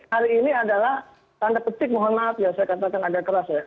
hari ini adalah tanda petik mohon maaf ya saya katakan agak keras ya